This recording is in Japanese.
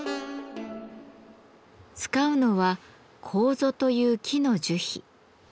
使うのは楮という木の樹皮。